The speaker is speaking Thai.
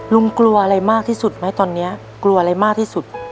กลัวอะไรมากที่สุดไหมตอนนี้กลัวอะไรมากที่สุด